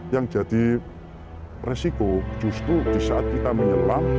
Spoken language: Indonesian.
yang jadi resiko justru di saat kita menyelam